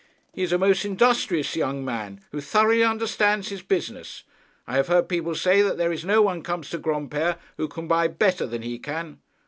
'He is a most industrious young man, who thoroughly understands his business. I have heard people say that there is no one comes to Granpere who can buy better than he can.'